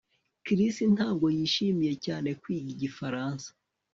Chris ntabwo yishimiye cyane kwiga igifaransa